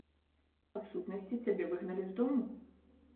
Па-сутнасці, цябе выгналі з дому?